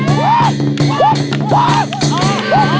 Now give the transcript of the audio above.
ครูเธอมันเลิศ